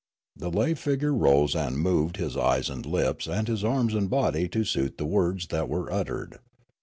The lay figure rose and moved his eyes and lips and his arms and body to suit the words that were uttered.